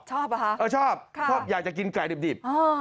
ชอบหรอเออชอบค่ะชอบอยากจะกินไก่ดิบดิบอ่า